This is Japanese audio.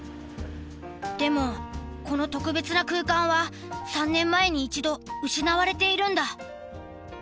でもこの特別な空間は３年前に一度失われているんだ。